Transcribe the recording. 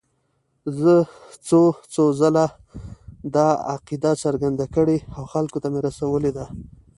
زه څو څو ځله دا عقیده څرګنده کړې او خلکو ته مې رسولې ده.